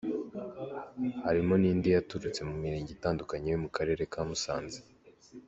Harimo n’indi yaturutse mu mirenge itandukanye yo mu karere ka Musanze.